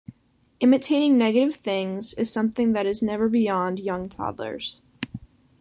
Imitating negative things is something that is never beyond young toddlers.